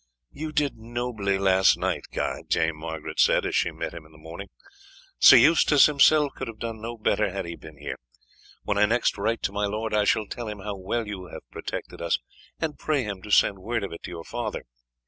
"You did nobly last night, Guy," Dame Margaret said as she met him in the morning; "Sir Eustace himself could have done no better had he been here. When I next write to my lord I shall tell him how well you have protected us, and pray him to send word of it to your father."